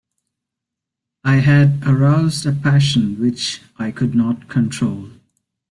I had aroused a passion which I could not control.